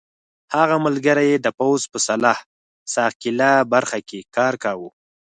هغه ملګری یې د پوځ په سلاح ساقېله برخه کې کار کاوه.